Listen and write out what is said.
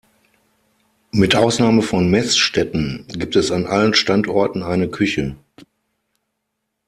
Mit Ausnahme von Meßstetten gibt es an allen Standorten eine Küche.